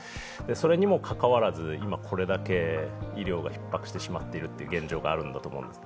それにもかかわらず今、これだけ医療がひっ迫しているという現状があると思います。